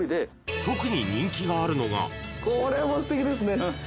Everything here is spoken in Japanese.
これもすてきですね。